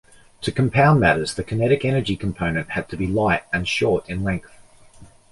To compound matters, the kinetic-energy component had to be light and short in length.